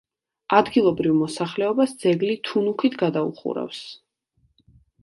ადგილობრივ მოსახლეობას ძეგლი თუნუქით გადაუხურავს.